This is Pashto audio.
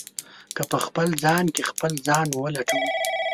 که په خپل ځان کې خپل ځان ولټوئ.